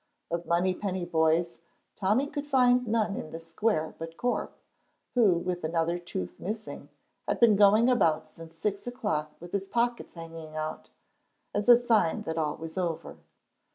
Of Monypenny boys, Tommy could find none in the square but Corp, who, with another tooth missing, had been going about since six o'clock with his pockets hanging out, as a sign that all was over.